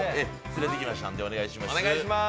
連れてきましたのでお願いします。